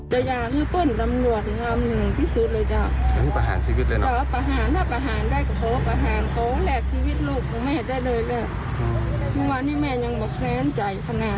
คดีถึงที่สุดเลยต้องหล่นย้านไว้มัน